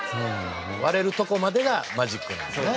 割れるとこまでがマジックなんだね。